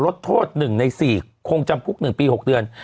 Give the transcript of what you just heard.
ลดโทษ๑ใน๔คงจำคุก๑ปี๖เดือน